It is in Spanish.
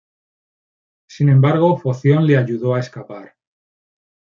Sin embargo, Foción le ayudó a escapar.